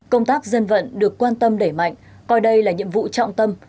công tác dân vận được quan tâm đẩy mạnh coi đây là nhiệm vụ trọng tâm